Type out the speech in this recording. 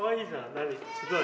何すごい。